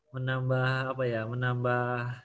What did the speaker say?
menambah apa ya menambah